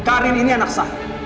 karim ini anak sah